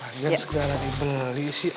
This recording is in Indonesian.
lagian segera dibeli sih